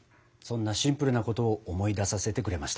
そんなシンプルなことを思い出させてくれました。